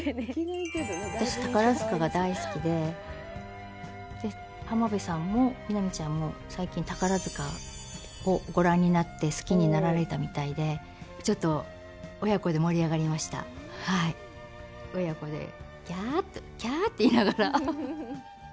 私、宝塚が大好きで浜辺さんも、美波ちゃんも最近宝塚をご覧になって好きになられたみたいでちょっと親子でキャーとキャーって言いながら。